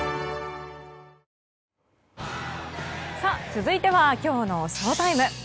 続いてはきょうのＳＨＯＴＩＭＥ。